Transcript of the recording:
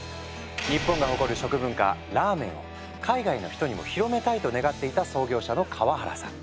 日本が誇る食文化ラーメンを海外の人にも広めたいと願っていた創業者の河原さん。